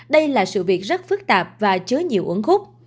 đây là sự việc rất phức tạp và chớ nhiều ứng khúc